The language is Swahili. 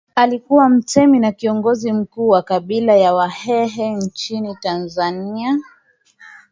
Alikuwa mtemi na kiongozi mkuu wa kabila la Wahehe nchini Tanzania